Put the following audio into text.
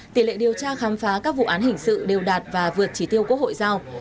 tỷ lệ điều tra khám phá các vụ án hình sự đều đạt và vượt trí tiêu quốc hội giao